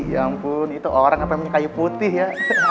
ya ampun itu orang apa yang kayu putih ya